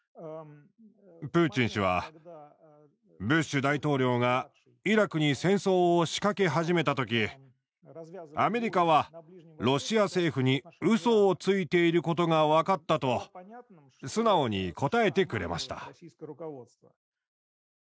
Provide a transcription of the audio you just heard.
プーチン氏は「ブッシュ大統領がイラクに戦争を仕掛け始めた時アメリカはロシア政府にうそをついていることが分かった」と素直に答えてくれました。